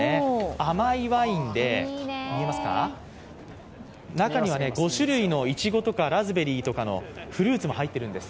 甘いワインで、中には５種類のいちごとかラズベリーとかのフルーツも入っているんです。